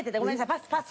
パスパス。